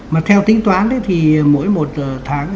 mà theo tính toán thì mỗi một tháng